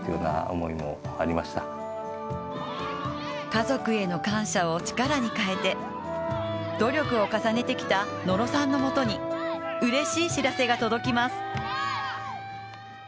家族への感謝を力に変えて努力を重ねてきた野呂さんのもとにうれしい知らせが届きます。